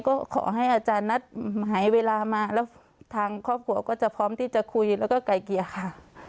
ก็ขอให้อาจารย์นัดหายเวลามาแล้วทางครอบครัวก็จะพร้อมที่จะคุยแล้วก็ไกลเกลี่ยค่ะ